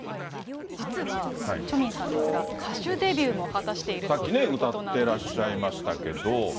実はチョ・ミンさんですが歌手デビューも果たしているというさっきね、歌ってらっしゃいましたけれども。